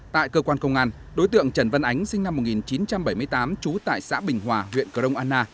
tại cơ quan công an đối tượng trần văn ánh sinh năm một nghìn chín trăm bảy mươi tám trú tại xã bình hòa huyện cờ rông anna